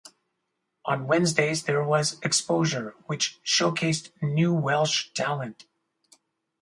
On Wednesdays there was "Exposure" which showcased new Welsh talent.